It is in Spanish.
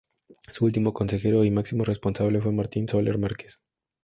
Su último consejero y máximo responsable fue Martín Soler Márquez.